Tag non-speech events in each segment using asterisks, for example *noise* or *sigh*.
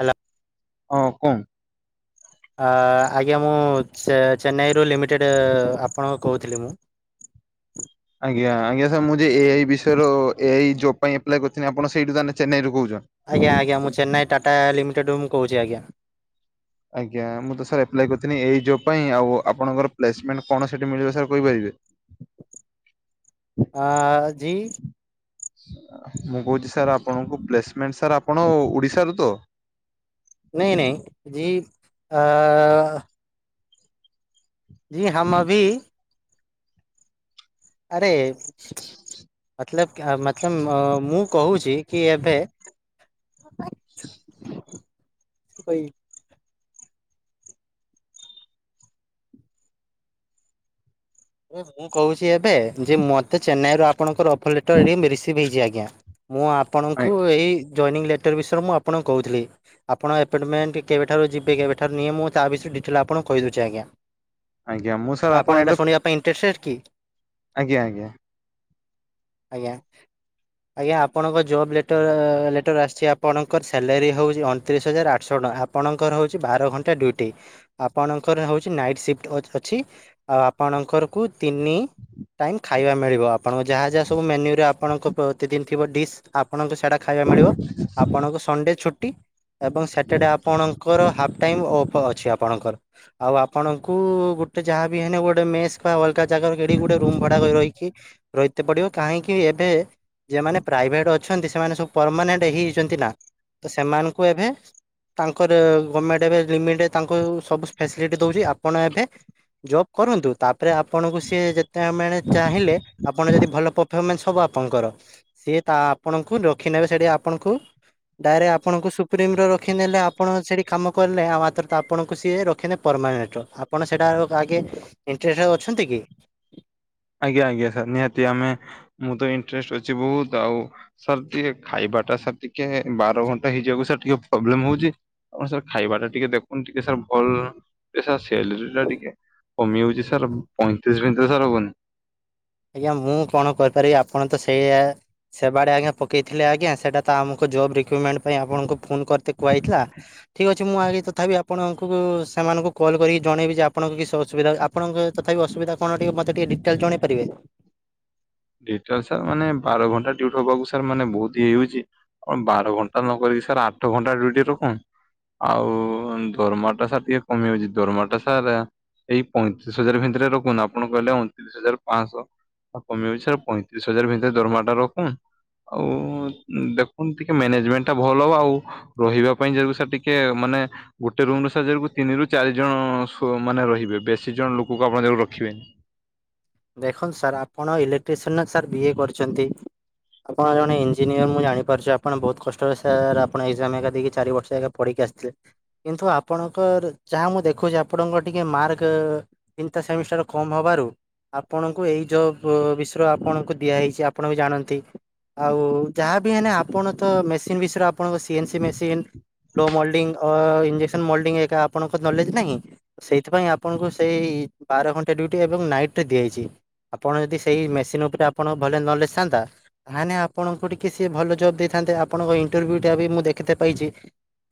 Hello? ହକଂ! ଆଜ୍ଞା ମୁଁ ଚେନ୍ନାଇରୁ ଲିମିଟେଡ଼୍ ଆପଣଙ୍କୁ କହୁଥିଲି ମୁଁ। *inaudible* ଆଜ୍ଞା ଆଜ୍ଞା ସ ମୁଁ ଯେ ଏଆଇ ବିଷୟରେ ଏଆଇ ଜବ୍ ପାଇଁପ୍ଏ କରିଥିଲ ଆପଣ ସେଇଠୁ ତାହେ ଚେନ୍ନାଇରୁ କହୁଛନ୍ତି। ଆଜ୍ଞା ଆଜ୍ଞା ମୁଁ ଚେନ୍ନାଇ ଟାଟା ଲିମିଟେଡ଼ ମୁ କହୁଛି ଆଜ୍ଞା। ଆଜ୍ଞା ମୁଁ ତ ସାର୍ ଆପ୍ଲାଏ କରିଥିଲି ଏଇ ଜବ୍ ପାଇଁ ଆଉ ଆପଣଙ୍କର ପ୍ଲେସମେଣ୍ଟ କଣ ସେଠି ମିଳିବ ସାର୍ କହିପାରିବି। *inaudible* ଆଯି ମୁଁ କହୁଛି ସାର୍ ଆପଣଙ୍କୁ ପ୍ଲେସମେଣ୍ଟ ସାର୍ ଆପଣ ଓଡିଶାରୁ ତ? ନାଇ ନାଇ ଜି ଜି ହମ ଅଭି ଆରେ ମତଲବ୍ ମୁ କହୁଚି *inaudible* ଏ ମୁଁ କହୁଛି ଏବେ ଯେ ମତେ ଚେନ୍ନାଇ ଆରୁ ଆପଣଙ୍କର ଅଫ ଲେଟର ରିସିଭ ହେଇଛି ଆ୍ଞା। ଆଜ୍ଞା। ମୁଁ ଆପଣଙ୍କୁ ଏଇ ଜଏନିଂ ଲେଟର୍ ବିଷୟରେ ମୁଁ ଆପଣଙ୍କୁ କହୁଥିଲି ଆପଣ ଆପଏଣ୍ଟମେଣ୍ଟ କେବେଠାରୁ ଯିବେ କେବେଠାରୁ ନିଏ ମୁଁ ତା ବିଷୟରେ ଡିଜେଲ୍ ଆପଣଙ୍କୁ କହିଦଉଛି ଆଜ୍ଞା। ଆଜ୍ଞା ମୁଁ ସାର୍ ଆପଣ *unintelligible* ଆଜ୍ଞା ଆଜ୍ଞା। ଆଜ୍ଞା। ଆଜ୍ଞା ଆପଣଙ୍କ ଜବ୍ ଲେଟର ଲେଟର ଆସିଛି ଆପଣଙ୍କର ସାଲାରୀ ହେଉଛି ଅଣତିରିଶ ହଜାର ଆଠଶହ ଟଙ୍କା ଆପଣଙ୍କର ହଉଛି ବାର ଘଣ୍ଟା ଡ୍ୟୁଟି, ଆପଣଙ୍କର ହଉଛି ନାଇଟ୍ ସିଫ୍ଟ ଅଛି ତିନି ଟାଇମ୍ ଖାଇବା ମିଳିବ ଆପଣଙ୍କ ଯାହା ଯାହା ସବୁ ମେନ୍ୟୁରେ ଆପଣଙ୍କ ପ୍ରତିଦିନ ଥିବା ଡିସ୍ ଆପଣଙ୍କୁ ସେଇଟା ଖାଇବା ମିଳିବ ଆପଣଙ୍କୁ ସନ୍ ଡ଼େ ଛୁଟି ଏବଂ ସାଟର୍ଡେ ଆପଣଙ୍କର ହାଫ୍ ଟାଇମ୍ ଅଫ ଅଛି ଆପଣଙ୍କର ଆଉ ଆପଣଙ୍କୁ ଗୋଟେ ଯାହାବି ହେଲେ ଗୋଟେ ମେସ୍ ଏକା ଜାଗାରେ ସେଠି ଗୋଟେ ରୁମ ଭଡ଼ା କରିବି ରହିକି ରହିତେ ପଡ଼ିବ କାହିଁକି ଏବେ ଯିଏ ମାନେ ପ୍ରାଇଭେଟ୍ ଅଛନ୍ତି ସେମାନେ ସବୁ ପରମାନେଣ୍ଟ ହେଇଯାଇଛନ୍ତି ନା ତ ସେମାନଙ୍କୁ ଏବେ ତାଙ୍କର ଗଭର୍ଣମେଣ୍ଟ ଏବେ ଲିମିଟ ତାଙ୍କୁ ସବୁ ଫ୍ୟାସିଲିଟି ଦେଉଛି ଆପଣ ଏବେ ଜବ୍ କରନ୍ତୁ ତା ପରେ ଆପଣଙ୍କୁ ସିଏ ଯେତେବେଳେ ଚାହିଁଲେ ଆପଣ ଯଦି ଭଲ ପରଫମାନ୍ସ ହବ ଆପଣଙ୍କର ସିଏ ତା ଆପଣଙ୍କୁ ରଖି ନେବେ ସେଠି ଆପଣଙ୍କୁ ଡାଇରେଟ ଆପଣଙ୍କୁ ସୁପ୍ରିମ ରଖିିନେଲେ ଆପଣ ସେଠି କାମ କଲେ ଆଉ ମାତ୍ର ତ ଆପଣଙ୍କୁ ସିଏ ରଖିଲେ ଆପଣ ସେଟା ରେ ଆଜ୍ଞା ଇନ୍ଟ୍ରେଷ୍ଟେଡ଼୍ ଅଛନ୍ତି କି? ଆଜ୍ଞା ଆଜ୍ଞା ସାର୍ ନିହାତି ଆମେ ମୁଁ ତ ଇନ୍ଟ୍ରେଷ୍ଟେଡ଼୍ ଅଛି ବହୁତ ଆଉ ସାର୍ ଟିକେ ଖାଇବା ଟା ସାର୍ ଟିକେ ବାର ଘଣ୍ଟା ହେଇଯିବାକୁ ସାର୍ ଟିକେ ପ୍ରୋବ୍ଲେମ ହଉଛି ଆପଣ ସାର୍ ଖାଇବା ଟା ଟିକେ ଦେଖନ୍ତୁ ଟିକେ ସାର୍ ଭଲ ସର୍ ସାଲେରୀ ଟା ଟିକେ କମି ଯାଉଛି ସାର୍ ପଇଁତିରିଶ ଭିତରେ ସାର୍ ହବନି? ଆଜ୍ଞା ମୁଁ କଣ କରିପାରିବି ଆପଣ ତ ସେଇା ସେବା ଟେ ଆଜ୍ଞା ପକେଇଥିଲେ ଆଜ୍ଞା ସେଟା ତ ଆମକୁ ଜବ୍ ରିକ୍ରୁଟମେଣ୍ଟ ପାଇଁ ଆପଣଙ୍କୁ ଫୋନ କରିତେ କୁହାଯଇଥିଲା ଠିକ୍ ଅଛି ମୁଁ ଆଗେ ତଥାପି ଆପଣଙ୍କୁ ସେମାନଙ୍କୁ କଲ୍ କରିକି ଜଣେଇବି ଯେ ଆପଣଙ୍କ କିଛି ଅସୁବିଧା ଆପଣଙ୍କ ତଥାପି ଅସୁବିଧା କଣ ଟିକେ ମୋତ ଟିକେ ଡିଟେଲ୍ ଜଣାଇପାରିବେ? ଡିଟେଲ ସାର୍ ମାନେ ବାର ଘଣ୍ଟା ଡ୍ୟୁଟି ହବାକୁ ସାର୍ ମାନେ ବହୁତ ହେଇଯାଉଛି କଣ ବାର ଘଣ୍ଟା ନକରି ସାର୍ ଆଠ ଘଣ୍ଟା ଡିଉଟି ରଖନ୍ତୁ। ଆଉ ଦରମା ଟା ସାର ଟିକେ କମି ଯାଉଛି ଦରମା ଟା ସାର ଏଇ ପଇଁତିରିଶ ହଜାର ଭିତରେ ରଖୁନ୍ତୁ, ଆପଣ କହିଲେ ଅଣତିରିଶ ହଜାର ପାଞ୍ଚଶହ କମି ଯାଉଛି। ପଇଁତିରିଶ ହଜାର ଭିତରେ ଦରମା ଟା ରଖନ୍ତୁ। ଆଉ ଦେଖନ୍ତୁ ଟିକେ ମ୍ୟାନେଜମେଣ୍ଟ ଟା ଭଲ ହବ ଆଉ ରହିବା ପାଇଁ ଯଦି ସାର୍ ଟିକେ ମାନେ ମାନେ ଗୋଟେ ରୁମ୍ ରେ ସାର୍ ଯେମିତି ତିନି ରୁ ଚାରି ଜଣ ସୋ ମାନେ ରହିବେ ବେଶୀ ଜଣ ଲୋକକୁ ଆପଣ କେବେ ରଖିବେନି। ଦେଖନ୍ତୁ ସାର୍ ଆପଣ ଇଲେକ୍ଟ୍ରିସିଆନ ସାର୍ ବିଏ କରିଛନ୍ତି? ଆପଣ ଜଣେ ଇଞ୍ଜିନିୟର ମୁଁ ଜାଣିପାରୁଛି ଆପଣ ବହୁତ କଷ୍ଟରେ ସାର୍ ଆପଣ ଏକ୍ଜାମ ହେରିକା ଦେଇକି ଚାରି ବର୍ଷ ଏକା ପଢିକି ଆସିଥିଲେ କିନ୍ତୁ ଆପଣଙ୍କର ଯାହା ମୁଁ ଦେଖୁଛି ଆପଣଙ୍କ ଟିକେ ମାର୍କ। *unintelligible* *unintelligible* କମ ହେବାରୁ ଆପଣଙ୍କୁ ଏଇ ଜବ୍ ମ ବିଷୟ ଆପଣଙ୍କୁ ଦିଆହେଇଛି ଆପଣ ବି ଜାଣନ୍ତି। ଆଉ ଯାହାବି ହେଲେ ଆପଣ ତ ମେସିନ ବିଷୟରେ ଆପଣଙ୍କ ସି ଏନ୍ ସି ମେସିନ ଲୋ ମଲ୍ଡିଂ ଅ ଇଞ୍ଜେସନ ମଲ୍ଡିଂ ହେକା ଆପଣଙ୍କ ନଲେଜ ନାହିଁ ସେଥିପାଇଁ ଆପଣଙ୍କୁ ସେଇ ବାର ଘଣ୍ଟା ଡ୍ୟୁଟି ଏବଂ ନାଇଟ୍ ରେ ଦିଆହେଇଛି। ଆପଣ ଯଦି ସେଇ ମେସିନ ଉପରେ ଆପଣ ଭଲ ନଲେଜ ଥାଆନ୍ତା ତାହେଲେ ଆପଣଙ୍କୁ ଟିକେ ସିଏ ଭଲ ଜବ ଦେଇଥା ନ୍ତା ଆପଣଙ୍କ ଇଣ୍ଟରଭ୍ୟୁ ଟା ବି ମୁଁ ଦେଖିତେ ପାଇଛି।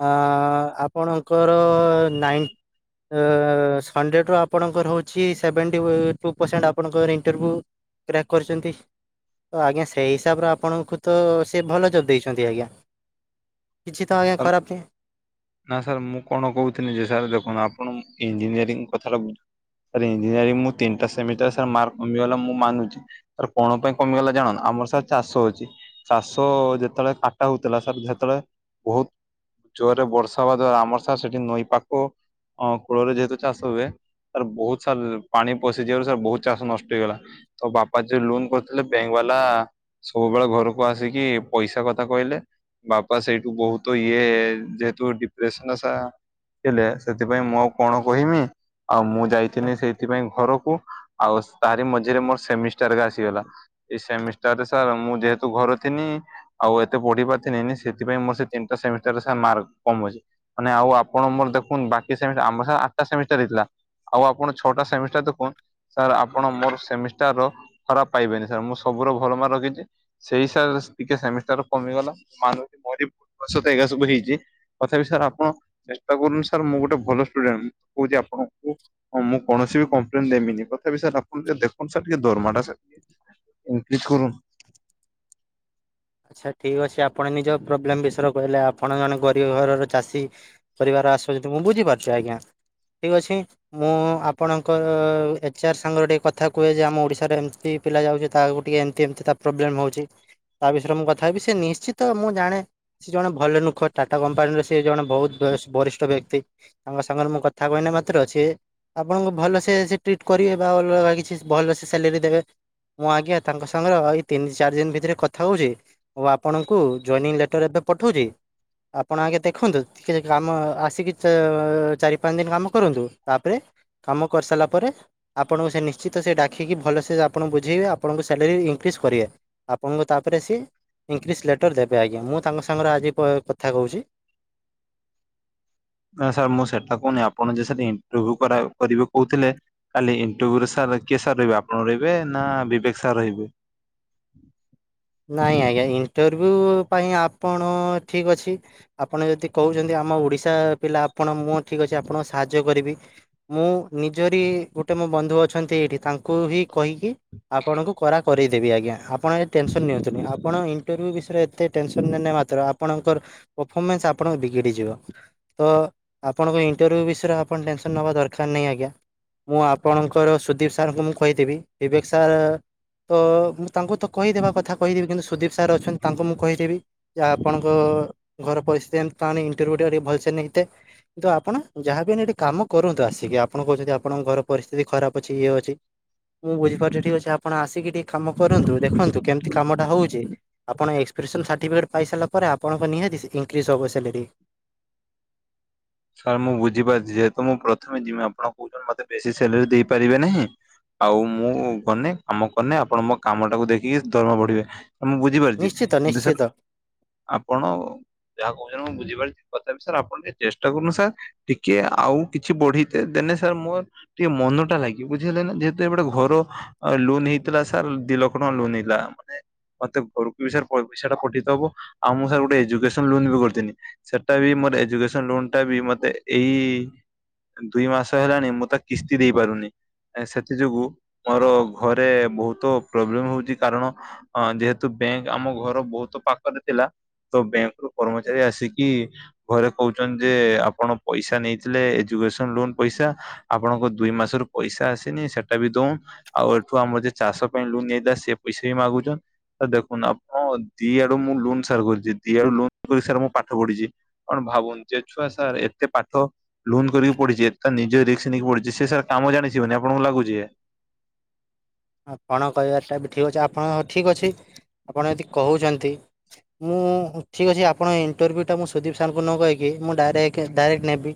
ଅ ଆପଣଙ୍କର ନାଇନ୍ ଅ ସନଣ୍ଡେ ଠୁ ଆପଣଙ୍କର ହେଉଛି ସେଭେଣ୍ଟି ଟୁ ପରସେଣ୍ଟ ଆପଣଙ୍କର ଇଣ୍ଟରଭ୍ୟୁ କ୍ରାକ୍ କରିଛନ୍ତି। ତ ଆଜ୍ଞା ସେଇ ହିସାବରେ ଆପଣଙ୍କୁ ତ ସେ ଭଲ ଜବ୍ ଦେଇଛନ୍ତି ଆଜ୍ଞା। କିଛି ତ ଆଜ୍ଞା। ସାର୍ ଖରାପ ନାଇ ନା ସାର୍ ମୁଁ କଣ ଇନ୍ କଥା ଟା ବୁଝ୍ ସାର୍ ଇଞ୍ଜିନିୟରିଂ ମୁଁ ତିନିଟା ସେମିଷ୍ଟର ସାର ମାର୍କ କମିଗଲା ମୁଁ ମାନୁଛି। କଣ ପାଇଁ କମିଗଲା ଜାଣନ ଆଉ ଆମର ସାର୍ ଚାଷ ହଉଛି। ଚାଷ ଯେତେବେଳେ କାଟା ହଉଥିଲା ସାର୍ ଯେତେବେଳେ ବହୁତ ଜୋରରେ ବର୍ଷା ହବାଦ୍ୱାରା ଆମର ସାର୍ ସେଠି ନଈ ପାଖ ଅ କୂଳରେ ଯେହେତୁ ଚାଷ ହୁଏ। ସାର୍ ବହୁତ ସାର୍ ପାଣି ପଶିଯିବାରୁ ସାର୍ ବହୁତ ଚାଷ ନଷ୍ଟ ହେଇଗଲା। ତ ବାପା ଯୋଉ ଲୋନ କରିଥିଲେ ବ୍ୟାଙ୍କ ବା ହେଲା ସବୁବେଳେ ଘରକୁ ଆସିକି ପଇସା କଥା କହିଲେ ବାପା ସେଇଠୁ ବହୁତ ଇଏ ଯେହେତୁ ଡିପ୍ ଡିପ୍ରେସନ ସାର୍ ଥିଲେ ସେଥିପାଇଁ ମୁଁ କଣ କହିବି। ଆଉ ମୁଁ ଯାଇଥିଲି ସେଇଥିପାଇଁ ଘର ଓ ଆଉ ତାରି ମଝିରେ ମୋ ସେମିଷ୍ଟାର ହେକା ଆସିଗଲା ଏଇ ସେମିଷ୍ଟାରରେ ସାର ମୁଁ ଯେହେତୁ ଭ ପଢ଼ି ଥିନି ଆଉ ଏତେ ପଢି ପାରଥିନି ସେଥିପାଇଁ ମୋର ସେ ତିନିଟା ସେମିଷ୍ଟାରରେ ସାର୍ ମାର୍କ କମୁଛି। ମାନେ ଆଉ ଆପଣ ମୋର ଦେଖନ୍ତୁ ବାକି ସେମିଷ୍ଟାର। ଆମର ଆଠଟା ସେମିଷ୍ଟାର ହେଇଥିଲା। ଆଉ ଆପଣ ଛଅଟା ସେମିଷ୍ଟାର ଦେଖୁନ୍ ସାର୍ ଆପଣ ମୋର ସେମିଷ୍ଟାରର ଖରାପ ପାଇବେନି। ସାର୍ ମୁଁ ସବୁୁର ଭଲ ମାର୍କ ରଖିଛି। ସେଇ ସାର୍ ଟିକେ ସେମିଷ୍ଟାର କମିଗଲା ମାନୁଛି ମୋର ଭୁଲ ବଶତଃ ସବୁ ହେଇଛି। ତଥାପି ସାର୍ ଆପଣ ଚେଷ୍ଟା କରନ୍ତୁ। ସାର୍ ମୁଁ ଗୋଟେ ଭଲ ଷ୍ଟୁଡେଣ୍ଟ ମୁଁ କହୁଛି ଆପଣଙ୍କୁ, ମୁଁ କୌଣସି କମ୍ପ୍ଲେନ ଦେବିନି ତଥାପି ସାର୍ ଆପଣ ଦେଖନ୍ତୁ। ସାର୍ ଟିକେ ଦରମାଟା ସା *unintelligible* ଆଚ୍ଛା ଠିକ୍ ଅଛି। ଆପଣ ନିଜ ପ୍ରୋବ୍ଲେମ ବିଷୟରେ କହିଲେ ଆପଣମାନେ ଗରିବ ଘରର ଚାଷୀ କରିବା *unintelligible* ମୁଁ ବୁଝିପାରୁଛି ଆଜ୍ଞା। ଠିକ୍ ଅଛି ମୁଁ ଆପଣଙ୍କ ଏଚ୍ଆର୍ ସାଙ୍ଗରେ ଟିକେ କଥା କୁହେ ଯେ ଆମ ଓଡ଼ିଶାର ଏମିତି ପିଲା ଯାଉଛି, ତାହାକୁ ଟିକେ ଏମିତି ଏମିତି ତା ପ୍ରୋବ୍ଲେମ ହଉଛି। ତା ବିଷୟରେ ମୁଁ କଥା ହେବି, ସେ ନିଶ୍ଚିତ ମୁଁ ଜାଣେ ସିଏ ଜଣେ ଭଲ ନୁଖ ଟାଟା କମ୍ପାନୀର ସିଏ ଜଣେ ବହୁତ ଭ ବରିଷ୍ଠ ବ୍ୟକ୍ତି ତାଙ୍କ ସାଙ୍ଗରେ ମୁଁ କଥା ହେବା ମାତ୍ରେ ଅଛି ଆପଣଙ୍କୁ ଭଲସେ ସେ ଟ୍ରିଟ୍ କରିବେ ବା ଅଲଗା କିଛି ଭଲସେ ସାଲେରୀ ଦେବେ। ମୁଁ ଆଜ୍ଞା ତାଙ୍କ ସାଙ୍ଗରେ ଏଇ ତିନି ଚାରି ଦିନ ଭିତରେ କ କଥା ହଉଛି ଓ ଆପଣଙ୍କୁ ଜଏନିଂ ଲେଟର ଏବେ ପଠଉଛି। ଆପଣ ଆଜ୍ଞା ଦେଖନ୍ତୁ ଟିକେ କାମ ଆସିକି ଚା ଚାରି ପାଞ୍ଚ ଦିନ କାମ କରନ୍ତୁ ତାପରେ କାମ କରିସାରିଲା ପରେ, ଆପଣଙ୍କୁ ସେ ନିଶ୍ଚିତ ସେ ଡାକିକି ଭଲସ ଆପଣ ବୁଝେଇବେ। ଆପଣଙ୍କ ସାଲାରୀ ଇନକ୍ରିଜ କରିବେ ଆପଣଙ୍କ ତା ରେ ସିଏ ଇଂଲିଶ ଲେଟର ଦେବେ ଆଜ୍ଞା। ମୁଁ ତାଙ୍କ ସାଙ୍ଗରେ ଆଜି କ କଥା କହୁଛି। ସାର୍ ମୁଁ ସେଇଟା କହୁନି, ଆପଣ ଯେ ସାର୍ ଇଣ୍ଟରଭ୍ୟୁ କରିବେ କହୁଥିଲେ। କାଲି ଇଣ୍ଟରଭ୍ୟୁରେ ସାର୍ କିଏ ସାର୍ ରହିବେ? ଆପଣ ରହିବେ ନା ବିବେକ ସାର୍ ରହିବେ? ନାଇଁ ଆଜ୍ଞା ଇଣ୍ଟରଭ୍ୟୁ ପାଇଁ ଆପଣ ଠିକ୍ ଅଛି। ଆପଣ ଯଦି କହୁଛନ୍ତି ଆମ ଓଡ଼ିଆ ପିଲା ମୁଁ ଆପଣ ଆପଣଙ୍କୁ ସାହାଯ୍ୟ କରିବି ମୁଁ ନିଜରି ଗୋଟେ ବନ୍ଧୁ ଅଛନ୍ତି ଏଇଠି ତାଙ୍କୁ ହିଁ କହିକି ଆପଣଙ୍କୁ କରା କରେଇଦେବି ଆଜ୍ଞା। ଆପଣ ଏ ଟେନସନ୍ ନିଅନ୍ତୁନି ଇଣ୍ଟରଭ୍ୟୁ ବିଷୟରେ ଏତେ ଟେନସନ ନିଅନି ମାତ୍ର ଆପଣଙ୍କ ପରଫର୍ମାନ୍ସ ଆପଣଙ୍କ ବିଗିଡ଼ି ତ ଆପଣଙ୍କ ଇଣ୍ଟରଭ୍ୟୁ ବିଷୟରେ ଆପଣ ଟେନସନ ନବା ଦରକାର ନାହିଁ ଆଜ୍ଞା। ମୁଁ ଆପଣଙ୍କର ସୁଦୀପ ସାର୍ ଙ୍କୁ ମୁଁ କହିଦେବି, ବିବେକ ସାର୍ ତ ତାଙ୍କୁ ତ କହିଦବା। କହିଦେବି କିନ୍ତୁ ସୁଦୀପ ସାର୍ ଅଛନ୍ତି, ତାଙ୍କୁ ମୁଁ କହିଦେବି ଯେ ଆପଣଙ୍କ ଘର ପରିସ୍ତିତି ଏମତି ଇଣ୍ଟର୍ଭ୍ୟୁ ଭଲସେ ନେଇତେ। କିନ୍ତୁ ଆପଣ ଯାହାବି ଏଠି କାମ କରନ୍ତୁ ଆସିକି। ଆପଣ କହୁଛନ୍ତି ଆପଣଙ୍କ ଘର ପରିସ୍ଥିତି ଖରାପ ଅଛି ଇଏ ଅଛି। ମୁଁ ବୁଝିପାରୁଛି ଠିକ ଅଛି। ଆପଣ ଆସିକି ଟିକେ କାମ କରନ୍ତୁ ଦେଖନ୍ତୁ କେମତି କାମଟା ହଉଛି ଆପଣ ଏକ୍ସପରେସନ୍ ସାର୍ଟିଫିକେଟ୍ ପାଇସାରିଲା ପରେ, ଆପଣଙ୍କ ନିହାତି ଇନକ୍ରିଜ୍ ହେବ ସାଲାରୀ। ସାର୍ ମୁଁ ବୁଝିପାରୁଛି ଯେହେତୁ ମୁଁ ପ୍ରଥମେ ଯିମି ଆପଣ କହୁଛନ୍ତି ମତେ ବେଶୀ ସାଲାରୀ ଦେଇପାରିବେ ନାହିଁ। ଆଉ ମୁଁ ଗନେ କାମ କନେ ଆପଣ ମୋ କାମ ଟାକୁ ଦେଖିକି ଦରମା ବଢିବେ। ମୁଁ ବୁଝିପାରୁଛି ନିଶ୍ଚିତ କିନ୍ତୁ ସାର୍ ନିଶ୍ଚିତ। ଆପଣ ଯାହା କହୁଛନ୍ତି ମୁଁ ବୁଝିପାରୁଛି। ତଥାପି ସାର୍ ଆପଣ ଟେଷ୍ଟ କରୁନୁ ସାର୍ ଟିକେ ଆଉ କିଛି ବଢେଇତେ ଦେନେ ସାର୍ ମୋର ଟିକେ ମନ ଟା ଲାଗିବ ବୁଝିଲେ ନା। ଯେହେତୁ ଏପଟେ ଘର ଲୋନ୍ ହେଇଥିଲା ସାର୍ ଦି ଲକ୍ଷ ଟଙ୍କା ଲୋନ୍ ହେଇଲା ମାନେ ମତେ ଘରକୁ ବି ସାର ପଇସା ପଠେଇଦବ ଆଉ ମୁଁ ସ ଗୋଟେ ଏଜୁକସନ ଲୋନ୍ ବି କରିଥିଲି ସେଟା ବି ମୋର ଏଜୁକେସନ ଲୋନ ଟା ବି ମତେ ଏଇ ଦୁଇ ମାସ ହେଲାଣି ମୁଁ ତା କିସ୍ତି ଦେଇ ପାରୁନି। ସେଥି ଯୋଗୁଁ ମୋର ଘରେ ବହୁତ ପ୍ରୋବ୍ଲେଲେମ ହଉଛି କାରଣ ଯେହେତୁ ବ୍ୟାଙ୍କ ଆମ ଘର ବହୁତ ପାଖରେ ଥିଲା। ତ ବ୍ୟାଙ୍କରୁ କର୍ମଚାରୀ ଆସିକି ଘରେ କହୁଛନ୍ତି। ଯେ ଆପଣ ପଇସା ନେଇଥିଲେ ଏଜୁକେସନ ଲୋନ ପଇସା ଆପଣଙ୍କ ଦୁ ମାସର ପଇସା ଆସିନି। ସେଟା ବି ଦଉ ଆଉ ଏଠୁ ଆମର ଯେ ଚାଷ ପାଇଁ ଲୁନ୍ ନେଇଦ ସେ ପଇସା ବି ମାଗୁଛ। ଦେଖୁନ ଆପଣ ଦି ଆଡୁ ମୁଁ ଲୋନ୍ ସାର କରିଛି ଦି ଆଡୁ ଲୋନ କରି ସାର ମୁଁ ପାଠ ପଢିଛି ଆପଣ ଭାବନ୍ତୁ ଯେ ଛୁଆ ସାର୍ ଏତେ ପାଠ ଲୋନ୍ କରିକି ପଢିଛି ଏତେ ନିଜେ ରିକ୍ସ ନେଇକି ପଢୁଛି ସେ ସାର୍ କାମ ଜାଣିଥିବେନି ଆପଣ। କଣ ଲାଗୁଛି? ଆପଣ କହିବାଟା ବି ଠିକ ଅଛି ଆପଣଙ୍କ ଠିକ ଅଛି। ଆପଣ ଯଦି କହୁଛନ୍ତି ମୁଁ ଠିକ୍ ଅଛି ଆପଣ ଇଣ୍ଟରଭ୍ୟୁଟା ମୁଁ ସୁଦୀପ ସାରଙ୍କୁ ନ କହିକି। ମୁଁ ଡାଇରେକ୍ଟ ନେବି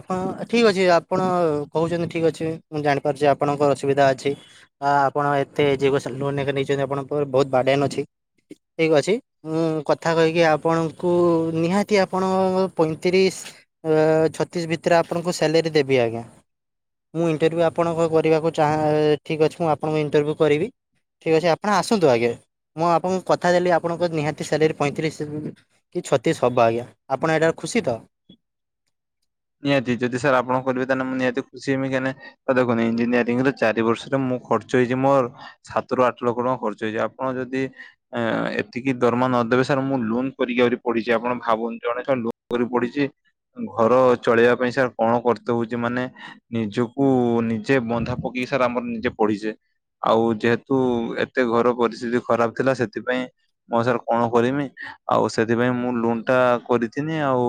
ଆପଣ ଠିକ ଅଛି ଆପଣ କହୁଛନ୍ତି ଠିକ ଅଛି। ମୁଁ ଜାଣିପାରୁଛି ଆପଣଙ୍କର ଅସୁବିଧା ଅଛି। ହଁ ଆପଣ ଏତେ ଯାକ ନେଇଛନ୍ତି ଆପଣଙ୍କ ବହୁତ ବାଡଆନ ଅଛି। ଠିକ ଅଛି ମୁଁ କଥା କହିକି ଆପଣଙ୍କୁ ନିହାତି ଆପଣଙ୍କ ପଇଁତିରିଶ। ଛତିଶ ଭିତରେ ଆପଣଙ୍କୁ ସାଲାରୀ ଦେବି ଆଜ୍ଞା। ମୁଁ ଇଣ୍ଟରଭ୍ୟୁ ଆପଣଙ୍କ କରିବାକୁ ଚାଁ ଠିକ୍ ଅଛି ମୁଁ ଆପଣଙ୍କ ଇଣ୍ଟରଭ୍ୟୁ କରିବି। ଠିକ ଅଛି ଆପଣ ଆସନ୍ତୁ ଆଜ୍ଞା। ମୁଁ ଆପଣଙ୍କୁ କଥା ଦେଲି ଆପଣଙ୍କ ନିହାତି ସାଲାରୀ ପଇଁତିରିଶ କି ଛତିଶ ହବ ଆଜ୍ଞା ଆପଣ ଏଟାରେ ଖୁସିି ତ? ନିହାତି ଯଦି ସାର୍ ଆପଣ କରିବେ ତାହେଲେ ମୁଁ ନିହାତି ଖୁସିି ହେବି ଦେଖନ୍ତୁ ଇଞ୍ଜିନିୟରିଂ ରେ ଚାରିବର୍ଷରେ ମୁଁ ଖଚ ହେଇଛି ମୋର ଆଠ ଲକ୍ଷ ଟଙ୍କା ଖର୍ଚ ହେଇଛି ଆପଣ ଯଦି ନ ଦେବେ ସାର୍ ମୁଁ ଲୋନ କରିକି ଆରି ପଡିଛି ଆପଣ ଭାବନ୍ତୁ ଜଣେ ଜଣେ ଲୋନ କରିକି ପଢିଛି ଘର ଚଳେଇବା ପାଇଁ ସାର୍ କଣ କରତ ହଉଛି ମାନେ ନିଜକୁ ନିଜେ ବନ୍ଧା ପକେଇକି ସାର୍ ଆମର ନିଜେ। ପଢିଛି। ଆଉ ଯେହେତୁ ଏତେ ଘର ପରିସ୍ଥିତି ଖରାପ ଥିଲା ସେଥିପାଇଁ ମୁଁ ସାର୍ କଣ କରିମି? ଆଉ ସେଥିପାଇଁ ମୁଁ ଲୁନ୍ ଟା କରିଥିନି। ଆଉ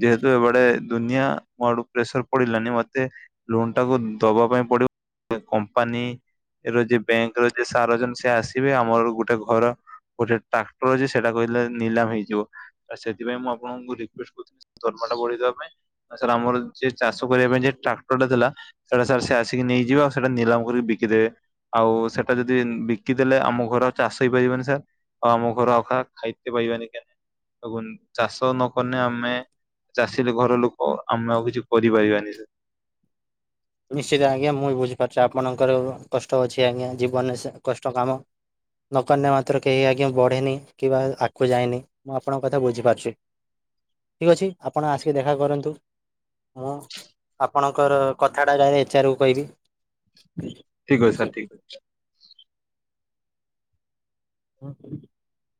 ଯେହେତୁ ଏବଡେ ଦୁନିଆ ମୋ ଆଡୁ ପ୍ରେସର ପଡିଲାନି। ମତେ ଲୋନ୍‌ ଟାକୁ ଦବା ପାଇଁ ପଡିବ। କମ୍ପାନୀ ର ଯିଏ ବ୍ୟାଙ୍କ୍‌ର ଯିଏ ସାର୍ ଅଛ--ସେ ଆସିବେ। ଆମର ଗୋଟେ ଘର ଗୋଟେ ଟାକ୍ଟର ଅଛି, ସେଇଟା କହିଲେ ନିଲାମ ହେଇଯିବ। ସେଥିପାଇଁ ମୁଁ ଆପଣଙ୍କୁ ରିକ୍ୱେଷ୍ଟ୍ ଢୁ ଆମେ। ସାର୍ ଆମର ଚାଷ କରିବା ପାଇଁ ଯେ ଟାକ୍ଟର ଟା ଥିଲା, ସେଟା ସାର୍ ସେ ଆସିକି ନେଇଯିବ। ଆଉ ସେଇଟା ନିଲାମ କରି ବିକିଦେବେ, ଆଉ ସେଟା ଯଦି ବିକିଦେଲେ ଆମ ଘର ଚାଷ ହେଇପାରିବନି ସାର୍। ଆଉ ଆମ ଘର ଅଖା ଖାଇତେ ପାଇବେନି କେ ଚାଷ ନକନେ ଆମେ ଚାଷୀ ଘର ଲୁ କ, ଆମେ ଆଉ କିଛି କରିପାରିବାନି ସା ନିଶ୍ଚିତେ ଆଜ୍ଞା। ମୁଇଁ ବୁଝି ପାରୁଛେ ଆପଣଙ୍କର କଷ୍ଟ ଅଛି ଆଜ୍ଞା, ଜୀବନ୍‌ରେ ସେ କଷ୍ଟ କାମ। ନକନେ ମାତ୍ର କେହି ଆଜ୍ଞା ବଢ଼େନି କିବା ଆଗ୍କୁ ଯାଏନି। ମୁଁ ଆପଣଙ୍କ କଥା ବୁଝିପାରୁଚି। ଠିକ୍ ଅଛି ଆପଣ ଆସିକି ଦେଖା କରନ୍ତୁ। ମୁଁ ଆପଣକ ର କଥାଟା ଯାଇ ଏଚ୍ଆର୍‌ କୁ କଇବି। ଠିକ୍ ଅଛି ସାର୍ ଠିକ୍ *inaudible*